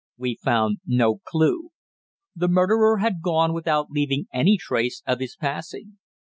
We found no clue. The murderer had gone without leaving any trace of his passing.